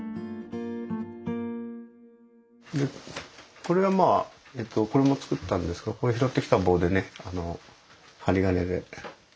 これはまあこれも作ったんですがこれ拾ってきた棒でね針金で。